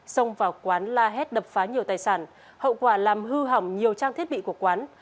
xông vào quán la hét đập phá nhiều tài sản hậu quả làm hư hỏng nhiều trang thiết bị của quán